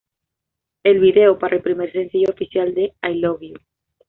El video para el primer sencillo oficial de "I Love You.